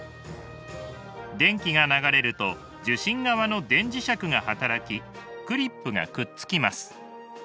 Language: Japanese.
電気が流れると受信側の電磁石が働きクリップがくっつきます。